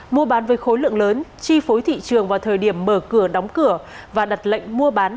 mua bán với khối lượng lớn chi phối thị trường vào thời điểm mở cửa đóng cửa và đặt lệnh mua bán